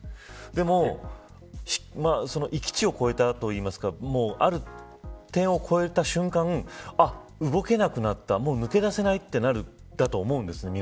でも閾値を超えたというかある点を超えた瞬間動けなくなったもう抜け出せないとなったと思います。